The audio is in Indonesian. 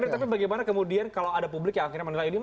tapi bagaimana kemudian kalau ada publik yang akhirnya menilai ini